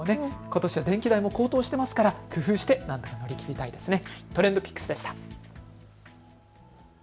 ことしは電気代も高騰していますから工夫して冬を乗り切りたいですね。